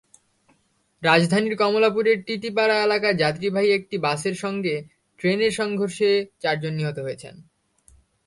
রাজধানীর কমলাপুরের টিটিপাড়া এলাকায় যাত্রীবাহী একটি বাসের সঙ্গে ট্রেনের সংঘর্ষে চারজন নিহত হয়েছেন।